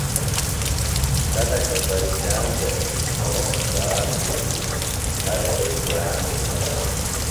خلکہ پیرِشان دےۡ۔ گھوم دال رُجیۡ ہر شئی گران بِھلوۡ۔